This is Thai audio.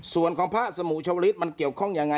ส่วนของพระสมุชวลิศมันเกี่ยวข้องยังไง